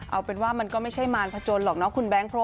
เอาเป็นว่ามันก็ไม่ใช่มารพจนหรอกเนาะคุณแบงค์